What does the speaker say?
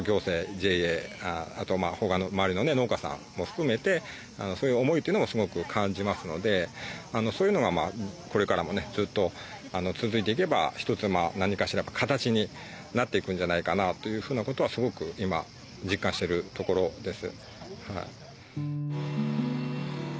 あとまあ他の周りのね農家さんも含めてそういう思いっていうのをすごく感じますのでそういうのがこれからもねずっと続いていけば一つ何かしら形になっていくんじゃないかなというふうな事はすごく今実感してるところです。